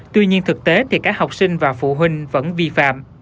tuy nhiên thực tế thì các học sinh và phụ huynh vẫn vi phạm